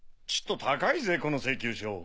ちっと高いぜこの請求書。